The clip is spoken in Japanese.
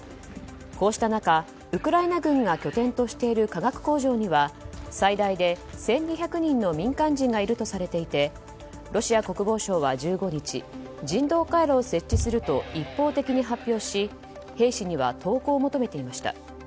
こうした中ウクライナ軍が拠点としている化学工場には最大で１２００人の民間人がいるとされていてロシア国防省は１５日人道回廊を設置すると一方的に発表し兵士には投降を求めていました。